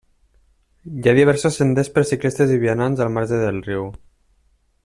Hi ha diversos senders per ciclistes i vianants al marge del riu.